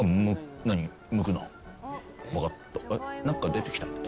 なんか出てきた。